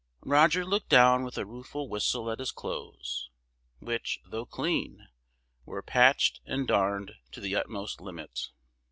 Roger looked down with a rueful whistle at his clothes, which, though clean, were patched and darned to the utmost limit.